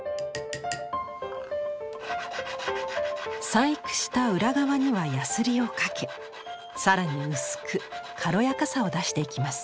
細工した裏側にはやすりをかけさらに薄く軽やかさを出していきます。